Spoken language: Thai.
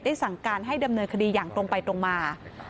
สั่งการให้ดำเนินคดีอย่างตรงไปตรงมา